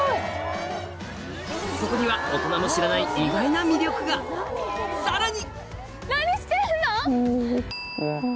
そこには大人も知らない意外な魅力がさらに！